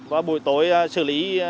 và buổi tối xử lý